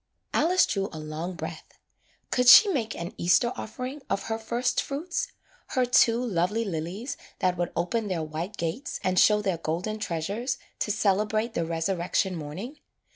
" Alice drew a long breath. Could she make an Easter offering of her firstfruits, her two lovely lilies that would open their white gates and show their golden treasures to celebrate the resurrection morning?